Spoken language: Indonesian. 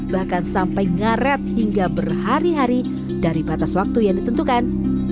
bahkan sampai ngaret hingga berhari hari dari batas waktu yang ditentukan